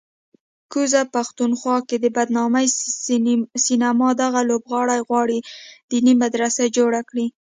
کوزه پښتونخوا کې د بدنامې سینما دغه لوبغاړی غواړي دیني مدرسه جوړه کړي